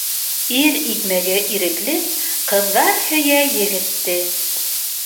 Ир икмәге ирекле, ҡыҙҙар һөйә егетте.